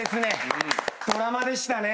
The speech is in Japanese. ドラマでしたね。